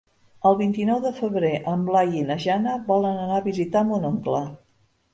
El vint-i-nou de febrer en Blai i na Jana volen anar a visitar mon oncle.